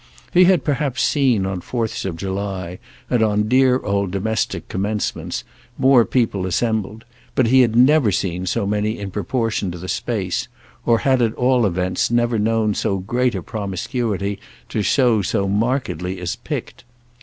He had perhaps seen, on Fourths of July and on dear old domestic Commencements, more people assembled, but he had never seen so many in proportion to the space, or had at all events never known so great a promiscuity to show so markedly as picked.